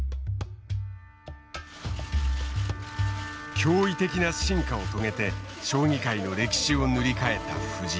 驚異的な進化を遂げて将棋界の歴史を塗り替えた藤井。